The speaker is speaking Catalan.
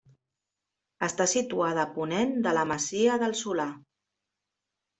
Està situada a ponent de la masia del Solà.